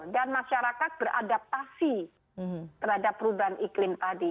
dan masyarakat beradaptasi terhadap perubahan iklim tadi